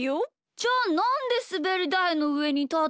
じゃあなんですべりだいのうえにたってるの？